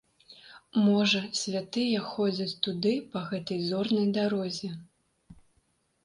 Можа, святыя ходзяць туды па гэтай зорнай дарозе.